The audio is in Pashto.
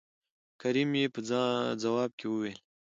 کريم يې په ځواب کې وويل